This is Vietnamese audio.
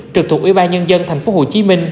trực thuộc ủy ban nhân dân tp hcm